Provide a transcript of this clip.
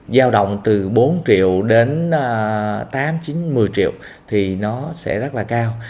giao động từ bốn triệu đến tám một mươi triệu thì nó sẽ rất là cao